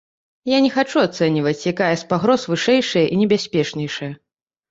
Я не хачу ацэньваць, якая з пагроз вышэйшая і небяспечнейшая.